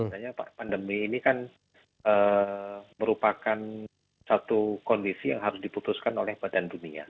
karena pandemi ini kan merupakan satu kondisi yang harus diputuskan oleh badan dunia